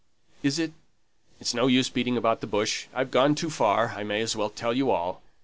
"Is it ?" "It's no use beating about the bush. I've gone so far, I may as well tell you all.